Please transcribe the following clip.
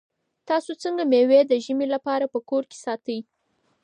تاسو څنګه مېوې د ژمي لپاره په کور کې ساتئ؟